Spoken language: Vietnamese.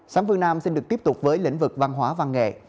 sáng phương nam xin được tiếp tục với lĩnh vực văn hóa văn nghệ